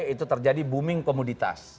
itu terjadi booming komoditas